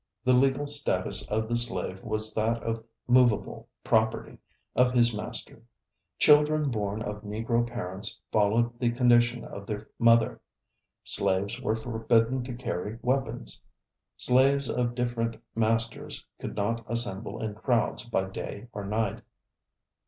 The legal status of the slave was that of movable property of his master. Children born of Negro parents followed the condition of their mother. Slaves were forbidden to carry weapons. Slaves of different masters could not assemble in crowds by day or night.